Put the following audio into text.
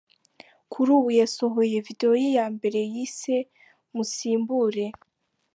Kuri ubu yasohoye Video ye ya mbere yise ”Musimbure”.